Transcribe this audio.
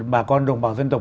bà con đồng bào dân tộc